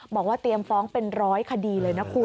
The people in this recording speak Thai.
บอกว่าเตรียมฟ้องเป็นร้อยคดีเลยนะคุณ